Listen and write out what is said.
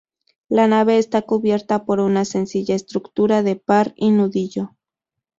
La nave está cubierta por una sencilla estructura de par y nudillo.